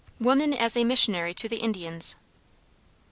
WOMAN AS A MISSIONARY TO THE INDIANS.